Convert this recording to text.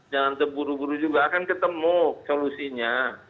jangan terburu buru juga akan ketemu solusinya